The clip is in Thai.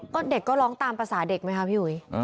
ก็เด็กก็ร้องตามภาษาเด็กไหมคะพี่อุ๋ย